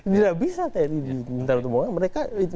tidak bisa tni dihentari untuk membunuh